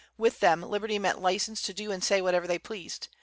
With them, liberty meant license to do and say whatever they pleased.